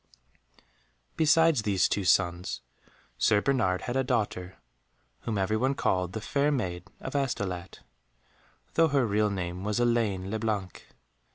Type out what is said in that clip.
Besides these two sons, Sir Bernard had a daughter whom every one called The Fair Maid of Astolat, though her real name was Elaine le Blanc.